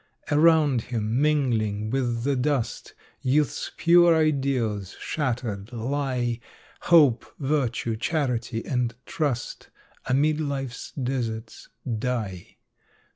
Around him, mingling with the dust, Youth's pure ideals, shattered, lie; Hope, virtue, charity and trust Amid life's deserts die.